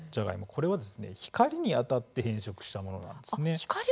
こちらは光に当たって変色したものです。